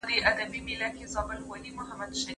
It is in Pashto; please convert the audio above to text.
ته ولي ليک لولې.